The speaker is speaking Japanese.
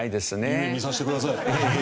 夢見させてください。